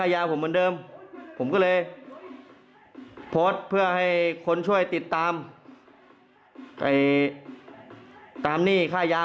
ยาผมเหมือนเดิมผมก็เลยโพสต์เพื่อให้คนช่วยติดตามตามหนี้ค่ายา